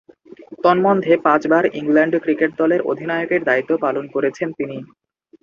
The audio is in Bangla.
তন্মধ্যে, পাঁচবার ইংল্যান্ড ক্রিকেট দলের অধিনায়কের দায়িত্ব পালন করেছেন তিনি।